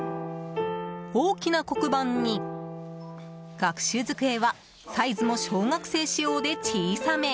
大きな黒板に、学習机はサイズも小学生仕様で小さめ。